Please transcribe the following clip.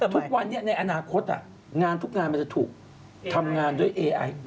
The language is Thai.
ทุกวันนี้ในอนาคตเนี่ยทุกด้านมันถูกทำงานให้ด้วยไอ